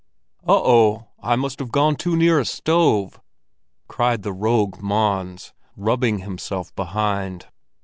"Oh, oh! I must have gone too near a stove!" cried the rogue Mons, rubbing himself behind.